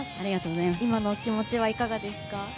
今のお気持ちはいかがですか？